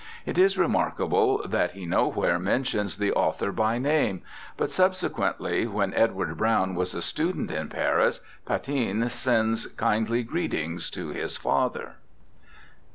It is remarkable that he nowhere mentions the author by name, but subsequently, when Edward Browne was a student in Paris, Patin sends kindly greetings to his father.